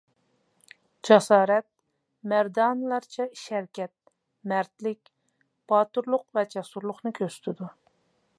جاسارەت-مەردانىلەرچە ئىش-ھەرىكەت، مەردلىك، باتۇرلۇق ۋە جەسۇرلۇقنى كۆرسىتىدۇ.